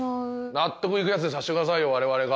納得いくやつにしてくださいよ我々が。